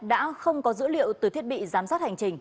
đã không có dữ liệu từ thiết bị giám sát hành trình